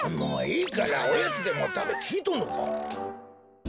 もういいからおやつでもたべきいとんのか？